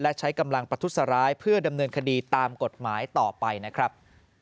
และใช้กำลังประทุษร้ายเพื่อดำเนินคดีตามกฎหมายต่อไปนะครับ